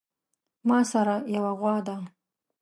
ماسره يوه غوا ده